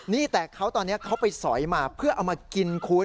นี่แต่เขาตอนนี้เขาไปสอยมาเพื่อเอามากินคุณ